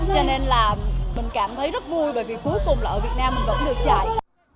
cho nên là mình cảm thấy rất vui bởi vì cuối cùng là ở việt nam mình vẫn được chạy